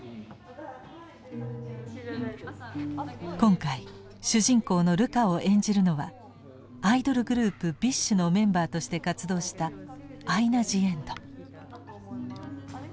今回主人公のルカを演じるのはアイドルグループＢｉＳＨのメンバーとして活動したアイナ・ジ・エンド。